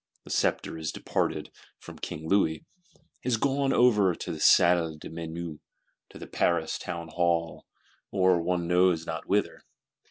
The sceptre is departed from King Louis; is gone over to the Salles des Menus, to the Paris Townhall, or one knows not whither.